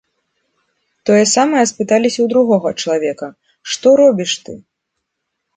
Тое самае спыталіся ў другога чалавека, што робіш ты?